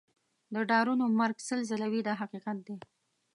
د ډارنو مرګ سل ځله وي دا حقیقت دی.